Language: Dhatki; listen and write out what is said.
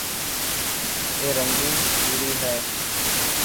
اي رنگين چوڙي هي.